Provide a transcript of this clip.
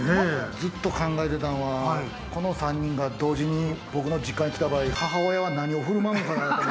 ずっと考えていたのはこの３人が同時に僕の実家に来た場合、母親は何を振る舞うのかな？